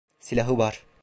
Silahı var!